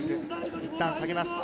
いったん下げます。